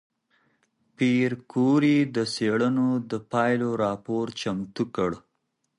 پېیر کوري د څېړنو د پایلو راپور چمتو کړ.